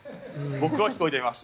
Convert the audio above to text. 僕は聴こえていました。